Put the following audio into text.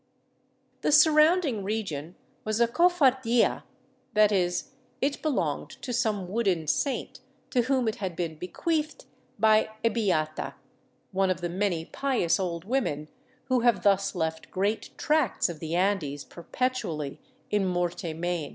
The surrounding region was a cofardia, that is, it belonged to some wooden saint to whom it had been bequeathed by a heata, one of the many pious old women who have thus left great tracts of the An des perpetually in morte main.